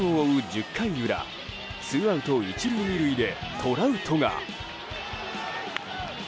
１０回裏ツーアウト１塁２塁でトラウトが。